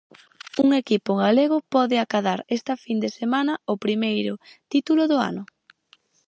Un equipo galego pode acadar esta fin de semana o primeiro título do ano.